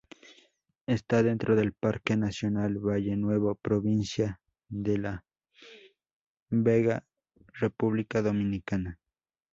Está dentro del Parque nacional Valle Nuevo, provincia de La Vega, República Dominicana.